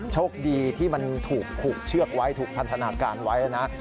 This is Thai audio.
โชคดีที่มันถูกผูกเชือกไว้ถูกพันธนาการไว้นะ